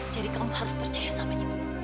jadi kamu harus percaya sama ibu